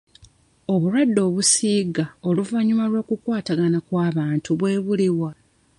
Obulwadde obusiiga oluvannyuma lw'okukwatagana kw'abantu bwe buli wa?